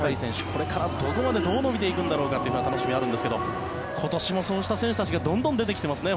これからどこまでどう伸びていくんだろうという楽しみがあるんですが今年もそうした選手たちがどんどん出てきていますね。